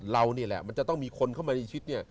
เรานี่แหละมันจะต้องมีคนเข้ามาในชิด